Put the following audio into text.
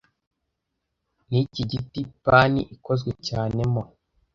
Niki giti pani ikozwe cyane mo